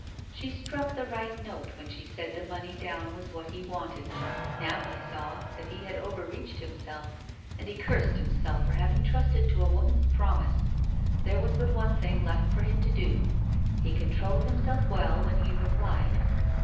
She struck the right note when she said the money down was what he wanted. Now he saw that he had over reached himself, and he cursed himself for having trusted to a woman's promise. There was but one thing left for him to do. He controlled himself well when he replied.